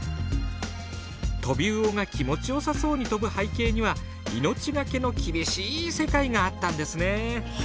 トビウオが気持ちよさそうに飛ぶ背景には命懸けの厳しい世界があったんですね。